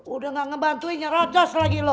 udah nggak ngebantuin nyerocos lagi lu